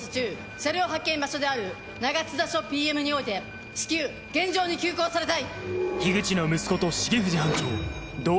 車両発見場所である長津田署ＰＭにおいて至急現場に急行されたい！